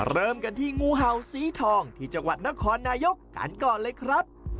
เริ่มกันที่งูเห่าสีทองที่จังหวัดนครนายกกันก่อนเลยครับ